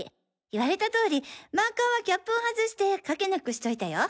言われた通りマーカーはキャップを外して書けなくしといたよ。